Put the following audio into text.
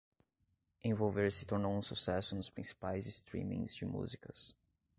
Envolver se tornou um sucesso nos principais streamings de músicas